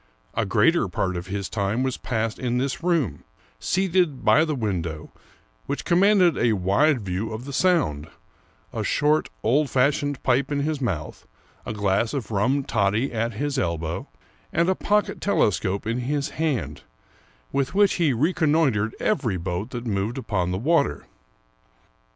A greater part of his time was passed in this room, seated by the window, which commanded a wide view of the Sound, a short, old fashioned pipe in his mouth, a glass of rum toddy ^ at his elbow, and a pocket telescope in his hand, with which he reconnoitered every boat that moved upon the water.